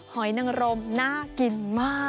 หอยนังรมน่ากินมาก